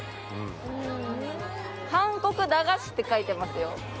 韓国駄菓子って書いてますよ。